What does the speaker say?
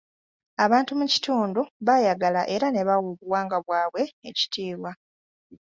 Abantu mu kitundu baayagala era ne bawa obuwangwa bwabwe ekitiibwa.